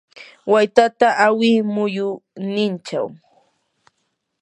waytata hawi muyurinninchaw.